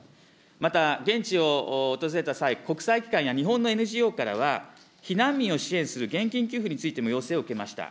また現地を訪れた際、国際機関や日本のＮＧＯからは避難民を支援する現金給付についても要請を受けました。